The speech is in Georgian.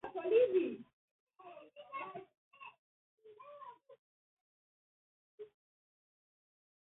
შემორჩენილია კომპლექსის ნანგრევები.